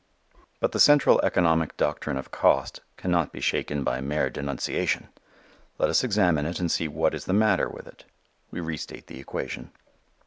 But the central economic doctrine of cost can not be shaken by mere denunciation. Let us examine it and see what is the matter with it. We restate the equation.